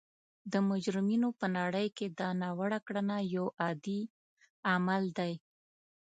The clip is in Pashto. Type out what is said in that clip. د مجرمینو په نړۍ کې دا ناوړه کړنه یو عادي عمل دی